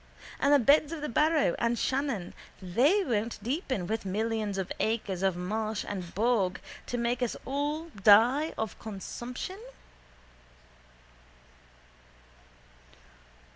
And the beds of the Barrow and Shannon they won't deepen with millions of acres of marsh and bog to make us all die of consumption?